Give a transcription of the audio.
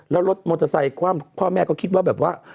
แล้วรถมอเตอร์ไซค์ความพ่อแม่ก็คิดว่าแบบว่า